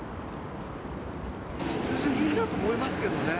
必需品だと思いますけどね。